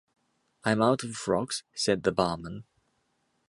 "I'm out of frocks," said the barman.